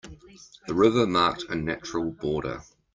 The river marked a natural border.